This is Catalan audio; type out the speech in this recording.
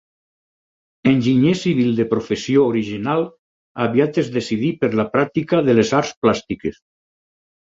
Enginyer civil de professió original, aviat es decidí per la pràctica de les arts plàstiques.